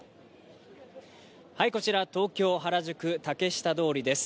こちら東京・原宿、竹下通りです。